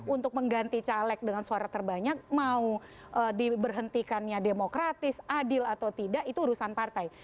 untuk mengganti caleg dengan suara terbanyak mau diberhentikannya demokratis adil atau tidak itu urusan partai